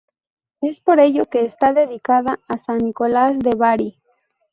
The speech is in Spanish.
Es por ello que está dedicada a San Nicolás de Bari.